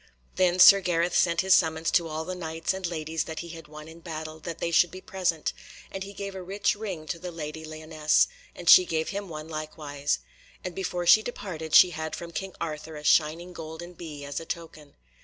Then Sir Gareth sent his summons to all the Knights and ladies that he had won in battle that they should be present, and he gave a rich ring to the Lady Lyonesse, and she gave him one likewise. And before she departed she had from King Arthur a shining golden bee, as a token.